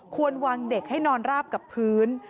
ควรวางเด็กให้นอนราบกับพื้น